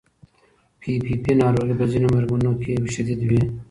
پي پي پي ناروغي په ځینو مېرمنو کې شدید وي.